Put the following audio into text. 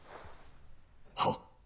はっ。